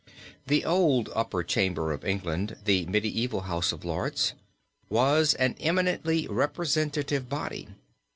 The old upper chamber of England, the medieval House of Lords, was an eminently representative body.